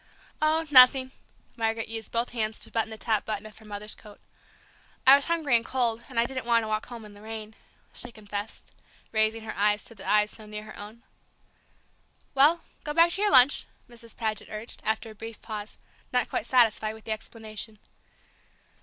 "Oh, nothing!" Margaret used both hands to button the top button of her mother's coat. "I was hungry and cold, and I didn't want to walk home in the rain!" she confessed, raising her eyes to the eyes so near her own. "Well, go back to your lunch," Mrs. Paget urged, after a brief pause, not quite satisfied with the explanation.